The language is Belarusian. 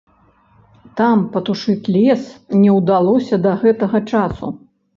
Там патушыць лес не ўдалося да гэтага часу.